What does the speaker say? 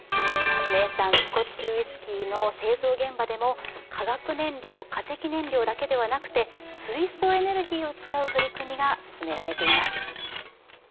名産スコッチウイスキーの製造現場でも化学燃料・化石燃料だけではなくて、水素エネルギーを使う取り組みが進められています。